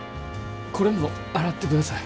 これも洗ってください。